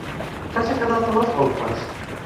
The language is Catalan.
Que s'ha quedat a les golfes?